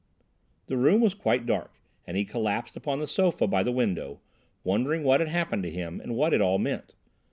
The room was quite dark, and he collapsed upon the sofa by the window, wondering what had happened to him and what it all meant.